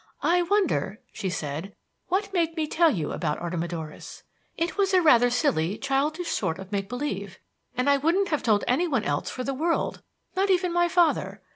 "I wonder," she said, "what made me tell you about Artemidorus. It was a rather silly, childish sort of make believe, and I wouldn't have told anyone else for the world; not even my father.